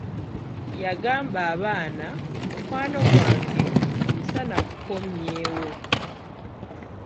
Yagamba abaana, mukwano gwange, omusana gukomyeewol!